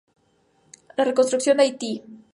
La reconstrucción de Haití.